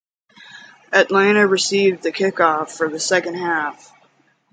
Atlanta received the kickoff for the second half.